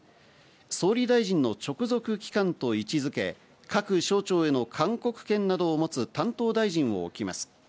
総理大臣の直属機関と位置付け、各省庁への勧告権などを持つ担当大臣を置きます。